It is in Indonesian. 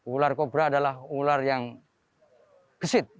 ular kobra adalah ular yang gesit